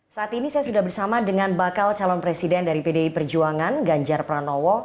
saat ini saya sudah bersama dengan bakal calon presiden dari pdi perjuangan ganjar pranowo